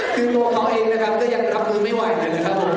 คือตัวเขาเองนะครับก็ยังรับมือไม่ไหวนะครับผม